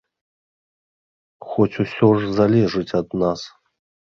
Хоць усё ж залежыць ад нас.